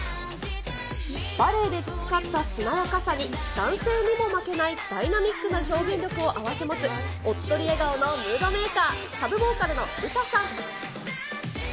バレエで培ったしなやかさに男性にも負けないダイナミックな表現力を併せ持つ、おっとり笑顔のムードメーカー、サブボーカルのウタさん。